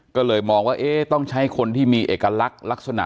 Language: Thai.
ก็เลยมองว่าเอ๊ะต้องใช้คนที่มีเอกลักษณะ